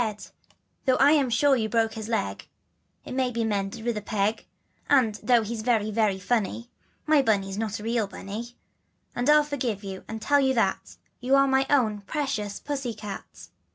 And though I'm sure you broke his leg, It may be mended with a peg, And though he's very, very, funny, My Bunny's not a real Bunny, And I'll forgive and tell you that, You're my own precious pussy cat."